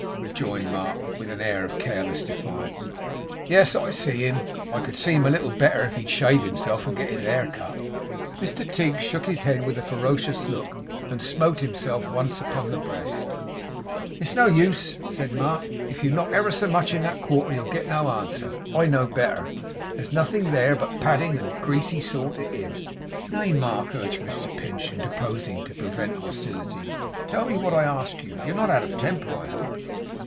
rejoined Mark, with an air of careless defiance. 'Yes, I see HIM. I could see him a little better, if he'd shave himself, and get his hair cut.' Mr Tigg shook his head with a ferocious look, and smote himself once upon the breast. 'It's no use,' said Mark. 'If you knock ever so much in that quarter, you'll get no answer. I know better. There's nothing there but padding; and a greasy sort it is.' 'Nay, Mark,' urged Mr Pinch, interposing to prevent hostilities, 'tell me what I ask you. You're not out of temper, I hope?